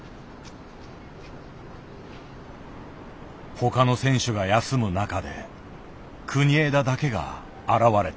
他の選手が休む中で国枝だけが現れた。